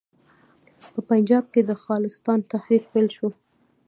په پنجاب کې د خالصتان تحریک پیل شو.